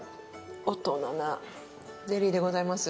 大人なゼリーでございます。